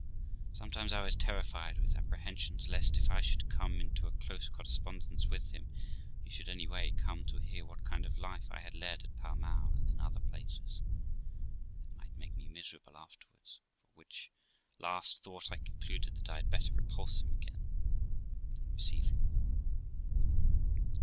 Sometimes I was terrified with apprehensions lest, if I should come into a close correspondence with him, he should any way come to hear what kind of life I had led at Pall Mall and in other places, and it might make me miserable afterwards; from which last thought I concluded that I had better repulse him again than receive him.